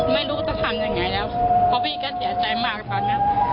ไม่รู้จะทำยังไงแล้วเพราะพี่ก็เสียใจมากตอนนั้น